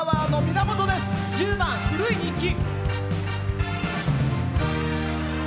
１０番「古い日記」。